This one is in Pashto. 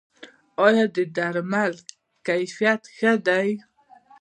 آیا د درملو کیفیت ښه دی؟